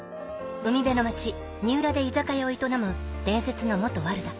海辺の町二浦で居酒屋を営む伝説の元ワルだ。